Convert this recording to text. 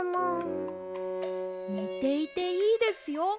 ねていていいですよ。